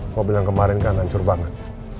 mobil yang kemarin kan hancur banget